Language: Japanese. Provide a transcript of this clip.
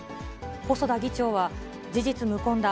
細田議長は、事実無根だ。